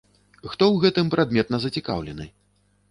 Хто ў гэтым прадметна зацікаўлены?